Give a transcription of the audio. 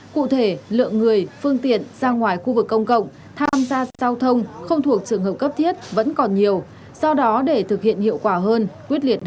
cụ thể lượng người phương tiện ra ngoài khu vực công cộng tham gia giao thông không thuộc trường hợp cấp thiết vẫn còn nhiều do đó để thực hiện hiệu quả hơn quyết liệt hơn